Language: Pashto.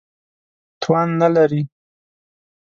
توان نه لري.